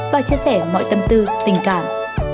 và chia sẻ mọi tâm tư tình cảm